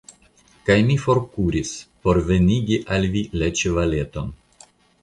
kaj mi forkuris, por venigi al vi la ĉevaleton.